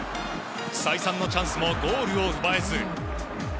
再三のチャンスもゴールを奪えず。